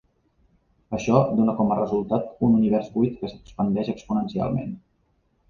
Això dóna com a resultat un univers buit que s'expandeix exponencialment.